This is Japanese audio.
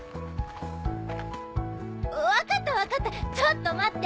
分かった分かったちょっと待って。